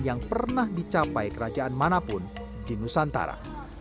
yang pernah dicapai kerajaan manapun di nusantara